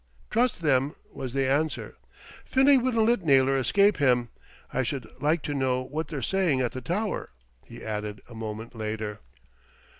"Trust them," was the answer. "Finlay wouldn't let Naylor escape him. I should like to know what they're saying at the Tower," he added a moment later.